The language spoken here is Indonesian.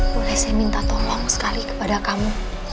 boleh saya minta tolong sekali kepada kamu